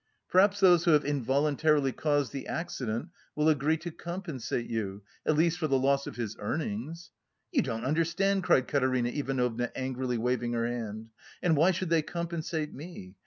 "Perhaps those who have involuntarily caused the accident will agree to compensate you, at least for the loss of his earnings." "You don't understand!" cried Katerina Ivanovna angrily waving her hand. "And why should they compensate me?